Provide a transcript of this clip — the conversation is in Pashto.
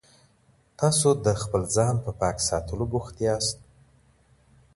تاسو د خپل ځان په پاک ساتلو بوخت یاست.